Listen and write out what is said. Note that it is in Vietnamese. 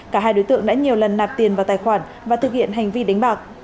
cả hai đối tượng đã nhiều lần nạp tiền vào tài khoản và thực hiện hành vi đánh bạc